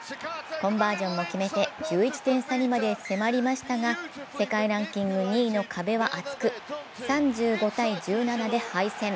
コンバージョンも決めて１１点差にまで迫りましたが、世界ランキング２位の壁は厚く３５−１７で敗戦。